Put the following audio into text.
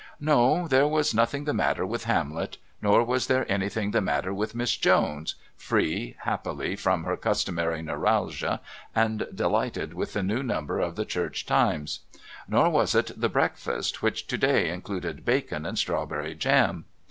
No, there was nothing the matter with Hamlet. Nor was there anything the matter with Miss Jones, free, happily, from her customary neuralgia, and delighted with the new number of the Church Times. Nor was it the breakfast, which to day included bacon and strawberry jam.